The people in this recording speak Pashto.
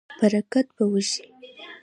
برکت به وشي